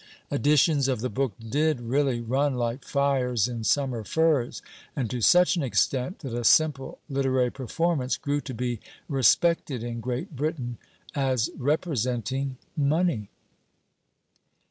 Editions of the book did really run like fires in summer furze; and to such an extent that a simple literary performance grew to be respected in Great Britain, as representing Money.